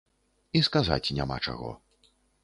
І сказаць няма чаго.